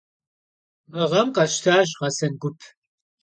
Mı ğem khesştaş ğesen gup.